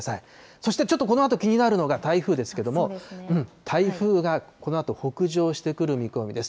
そしてちょっとこのあと気になるのが台風ですけども、台風がこのあと北上してくる見込みです。